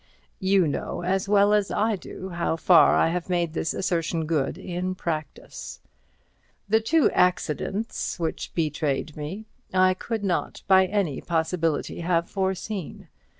You know as well as I do, how far I have made this assertion good in practice. The two accidents which betrayed me, I could not by any possibility have foreseen.